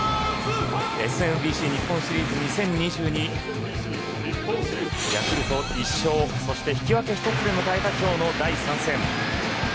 ＳＭＢＣ日本シリーズ２０２２ヤクルト１勝そして引き分け１つで迎えた今日の第３戦。